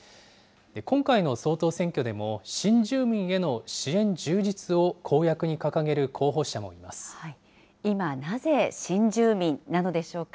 今回の総統選挙でも、新住民への支援充実を公約に掲げる候補者も今なぜ、新住民なのでしょうか。